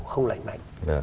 không lành mạnh